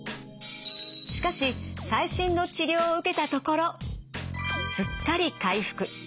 しかし最新の治療を受けたところすっかり回復。